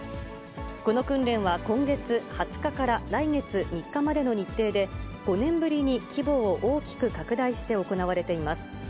この訓練は今月２０日から来月３日までの日程で、５年ぶりに規模を大きく拡大して行われています。